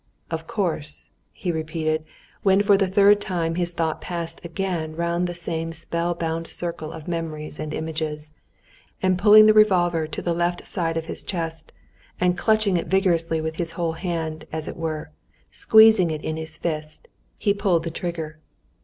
"Of course," he repeated, when for the third time his thought passed again round the same spellbound circle of memories and images, and pulling the revolver to the left side of his chest, and clutching it vigorously with his whole hand, as it were, squeezing it in his fist, he pulled the trigger.